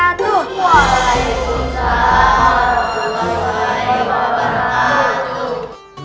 waalaikumsalam warahmatullahi wabarakatuh